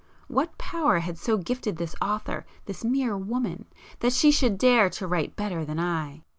What power had so gifted this author—this mere woman,—that she should dare to write better than I!